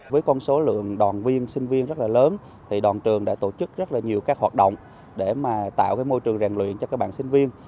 với con số lượng đoàn viên sinh viên rất là lớn thì đoàn trường đã tổ chức rất là nhiều các hoạt động để tạo môi trường rèn luyện cho các bạn sinh viên